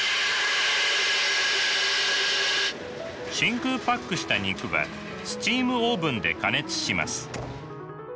真空パックした肉はスチームオーブンで加熱します。